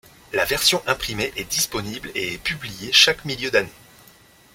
La version imprimée est disponible et est publiée chaque milieu d'année.